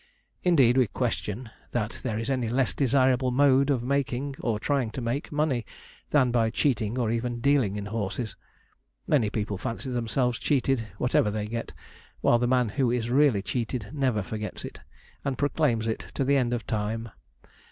Indeed, we question that there is any less desirable mode of making, or trying to make money, than by cheating or even dealing in horses. Many people fancy themselves cheated, whatever they get; while the man who is really cheated never forgets it, and proclaims it to the end of time.